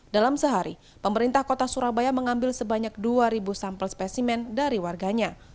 dalam sehari pemerintah kota surabaya mengambil sebanyak dua sampel spesimen dari warganya